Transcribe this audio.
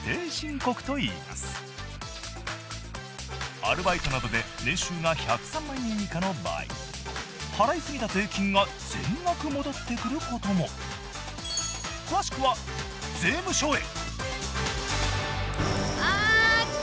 アルバイトなどで年収が１０３万円以下の場合払い過ぎた税金が全額戻ってくることもあ来た！